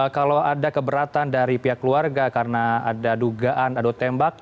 kalau ada keberatan dari pihak keluarga karena ada dugaan adu tembak